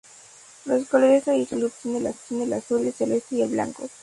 Los colores tradicionales del club son el azul, el celeste y el blanco.